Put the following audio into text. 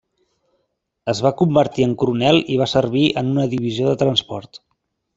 Es va convertir en coronel i va servir en una divisió de transport.